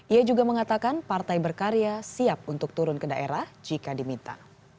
ia juga mengatakan partai berkarya siap untuk turun ke daerah jika diminta